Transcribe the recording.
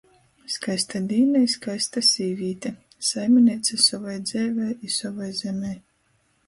Skaista dīna i skaista sīvīte – saimineica sovai dzeivei i sovai zemei.